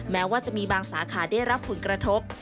แม้ว่าจะมีบางสาขาได้รับผลกระทบ